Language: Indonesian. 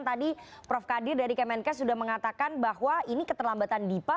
tadi prof kadir dari kemenkes sudah mengatakan bahwa ini keterlambatan dipa